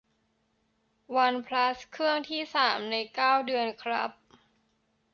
วันพลัสเครื่องที่สามในเก้าเดือนครับ